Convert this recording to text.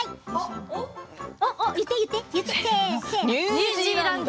ニュージーランド。